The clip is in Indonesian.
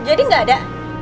jadi gak ada